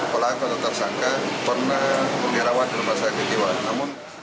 pelanggan atau tersangka pernah mengirawan dalam perasaan kejiwaan